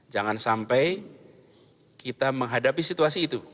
jangan sampai kita menghadapi situasi itu